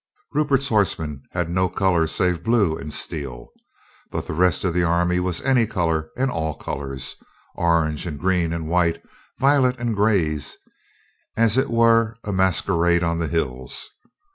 Rupert's horsemen had no color save blue and steel. But the rest of the army was any color, and all colors — orange and green and white, violet and gray, as it were a mas querade on the hills.